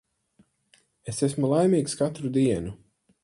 Es esmu laimīgs katru dienu.